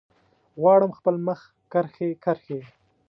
غواړم خپل مخ کرښې، کرښې